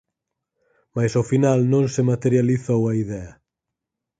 Mais ao final non se materializou a idea.